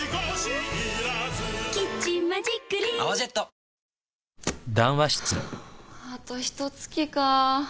ハァあとひと月か。